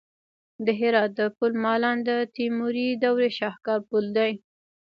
د هرات د پل مالان د تیموري دورې شاهکار پل دی